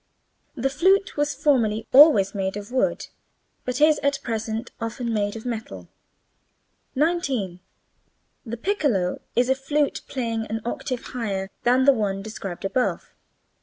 The flute was formerly always made of wood, but is at present often made of metal. 19. The piccolo is a flute playing an octave higher than the one described above.